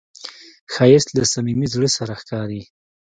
ښایست له صمیمي زړه سره ښکاري